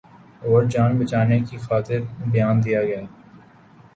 اورجان بچانے کی خاطر بیان دیاگیا۔